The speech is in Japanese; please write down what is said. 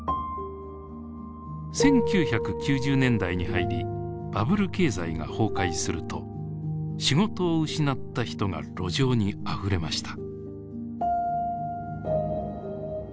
１９９０年代に入りバブル経済が崩壊すると仕事を失った人が路上にあふれました。